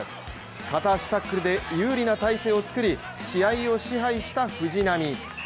片足タックルで有利な体勢を作り試合を支配した藤波。